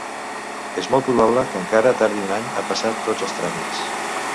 És molt probable que encara tardi un any a passar tots els tràmits.